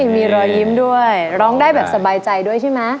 มีรอยยิ้มด้วยร้องได้แบบสบายใจด้วยใช่ไหม